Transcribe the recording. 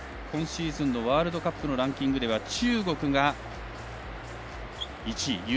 今シーズンのワールドカップのランキングでは中国が１位。